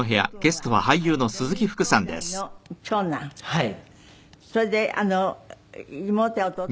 はい。